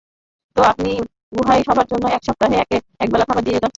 তো, আপনি গুহায় সবার জন্য এক সপ্তাহের একবেলার খাবার নিয়ে যাচ্ছেন।